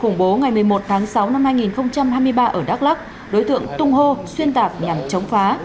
sáu năm hai nghìn hai mươi ba ở đắk lắc đối tượng tung hô xuyên tạc nhằm chống phá